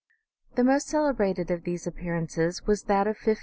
The most celebrated of these appearances was that of 1572.